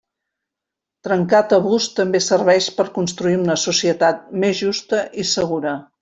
Trencar tabús també serveix per a construir una societat més justa i segura.